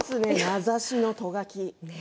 名指しのト書き。